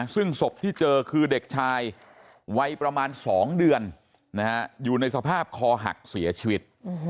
ซึ่งศพที่เจอคือเด็กชายวัยประมาณ๒เดือนอยู่ในสภาพคอหักเสียชีวิต